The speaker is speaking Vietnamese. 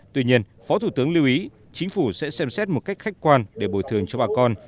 tuy nhiên phó thủ tướng lưu ý chính phủ sẽ xem xét một cách khách quan để bồi thường cho bà con